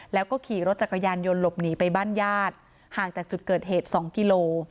แล้วก็ขี่รถจักรยานยนต์หลบหนีไปบ้านญาติห่างจากจุดเกิดเหตุ๒กิโล